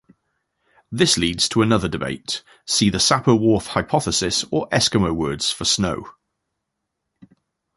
This leads to another debate (see the Sapir–Whorf hypothesis or Eskimo words for snow).